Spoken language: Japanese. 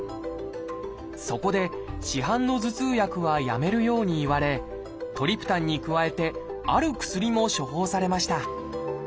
そこで市販の頭痛薬はやめるように言われトリプタンに加えてある薬も処方されました